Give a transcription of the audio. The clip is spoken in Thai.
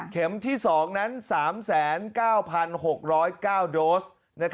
เข็มที่สองนั้น๓๙๙๖๑๙โดส